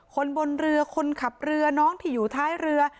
คนบนเรือคนขับเรือน้องที่อยู่ท้ายเรือ